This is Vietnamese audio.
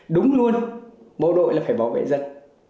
đúng luôn bộ đội là phải bảo vệ dân